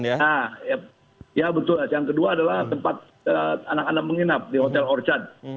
ya betul yang kedua adalah tempat anak anak menginap di hotel orchard